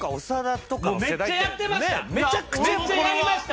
めっちゃやりました！